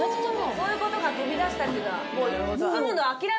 そういうことか飛び出したっていうのはもう。